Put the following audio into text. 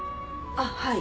あっはい。